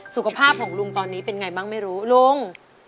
สุขภาพของลุงตอนนี้เป็นไงบ้างไม่รู้ลุง